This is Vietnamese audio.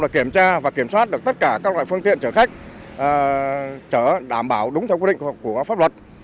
kiểm soát được tất cả các loại phương tiện chở khách chở đảm bảo đúng theo quy định của pháp luật